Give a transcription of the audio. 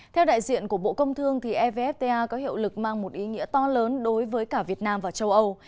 theo đại diện của bộ công thương evfta có hiệu lực mang một ý nghĩa to lớn đối với cả việt nam và châu âu